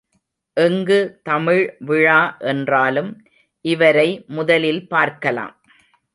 எங்கு தமிழ் விழா என்றாலும் இவரை முதலில் பார்க்கலாம்.